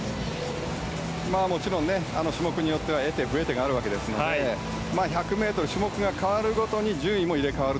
種目によっては得手不得手があるわけなので１００ｍ種目が変わるごとに順位も入れ替わる。